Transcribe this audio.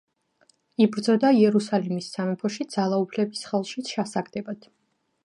იბრძოდა იერუსალიმის სამეფოში ძალაუფლების ხელში ჩასაგდებად.